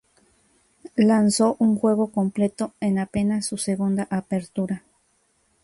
Lanzó un juego completo en apenas su segunda apertura.